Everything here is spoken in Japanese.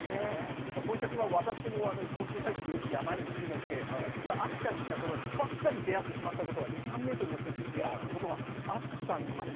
こういったクマを、私も昆虫採集でよく山に行くので、実は秋田にいたころにばったり出会ったことが２、３メートルの距離で出会うということがあったんですよ。